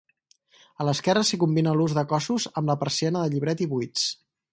A l'esquerra s'hi combina l'ús de cossos amb la persiana de llibret i buits.